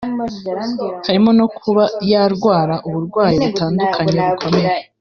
harimo no kuba yarwara uburwayi butandukanye bukomeye